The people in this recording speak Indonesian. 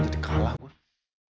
jadi kalah gue